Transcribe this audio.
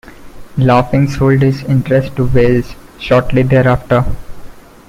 Laughlin sold his interest to Wells shortly thereafter.